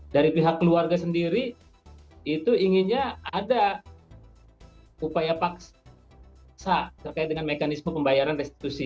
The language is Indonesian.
dari pihak keluarga sendiri itu inginnya ada upaya paksa terkait dengan mekanisme pembayaran restitusi